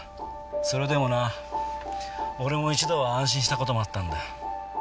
それでもな俺も一度は安心した事もあったんだよ。